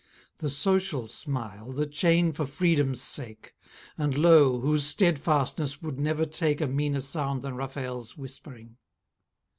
The social smile, the chain for Freedom's sake: And lo! whose stedfastness would never take A meaner sound than Raphael's whispering.